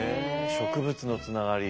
植物のつながり。